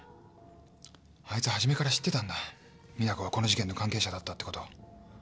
あいつ初めから知ってたんだ実那子がこの事件の関係者だったってことを。